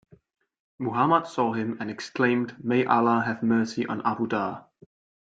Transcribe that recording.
Muhammad saw him and exclaimed, May Allah have Mercy on Abu Dhar!